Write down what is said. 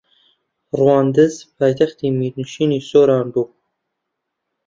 ڕەواندز پایتەختی میرنشینی سۆران بوو